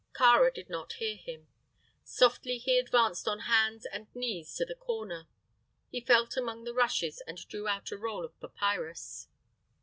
Kāra did not hear him. Softly he advanced on hands and knees to the corner. He felt among the rushes and drew out a roll of papyrus.